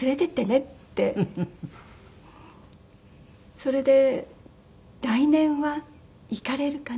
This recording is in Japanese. それで来年は行かれるかな